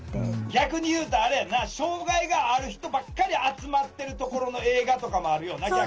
逆に言うとあれやんな障害がある人ばっかり集まってるところの映画とかもあるよな逆に。